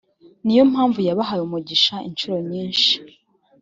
ni yo mpamvu yabahaye umugisha incuro nyinshi